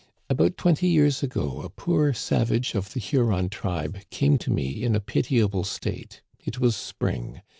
About twenty years ago a poor savage of the Huron tribe came to me in a pitiable state. It was spring.